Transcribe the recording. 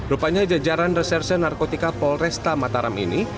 rupanya jajaran reserse narkotika polresta mataram ini